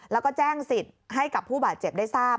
แล้วก็แจ้งสิทธิ์ให้กับผู้บาดเจ็บได้ทราบ